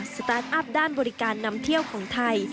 สตาร์ทอัพด้านบริการนำเที่ยวของไทย